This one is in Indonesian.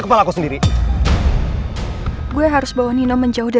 kita carinya di sebelah sana aja ya